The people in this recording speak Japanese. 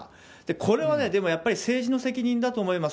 これはね、でもやっぱり政治の責任だと思います。